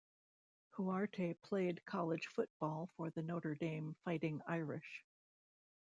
Huarte played college football for the Notre Dame Fighting Irish.